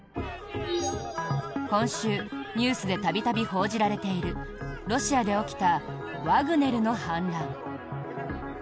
今週、ニュースで度々報じられているロシアで起きたワグネルの反乱。